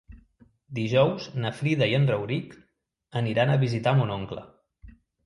Dijous na Frida i en Rauric aniran a visitar mon oncle.